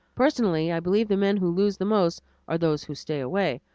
Personally, I believe the men who lose most are those who thus stay away.